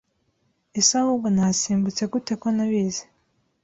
ese ahubwo nahasimbutse gute ko ntabizi?